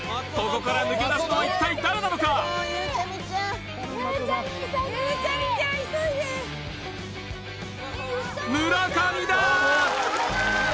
ここから抜け出すのは一体誰なのか村上だ